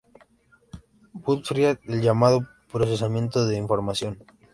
Butterfield, el llamado procesamiento de información...